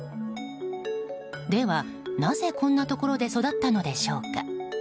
では、なぜこんなところで育ったのでしょうか。